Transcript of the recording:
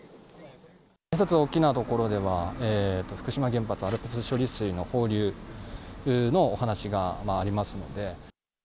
一つ大きなところでは、福島原発ＡＬＰＳ処理水の放流の話がありますので。